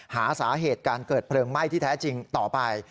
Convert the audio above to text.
หาสาเหตุการเกิดเพลิงไหม้ที่แท้จริงต่อไป